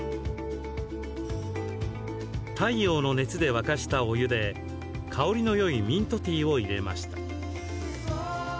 太陽の熱で沸かしたお湯で香りのよいミントティーをいれました。